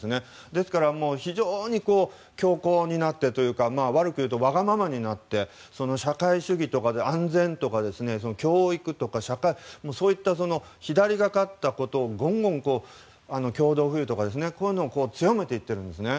ですから、非常に強硬になってというか悪く言えば、わがままになって社会主義とかで安全とか教育とかそういった、左かかったことを共同富裕とかを強めていっているんですね。